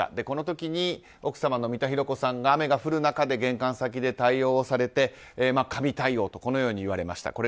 この時に奥様の三田寛子さんが雨が降る中で玄関先で対応をされて神対応とこのように言われました。